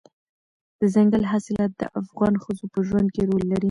دځنګل حاصلات د افغان ښځو په ژوند کې رول لري.